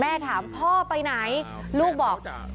แม่ถามพ่อไปไหนลูกบอกเผาไปแล้ว